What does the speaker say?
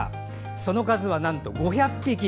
その数はなんと５００匹。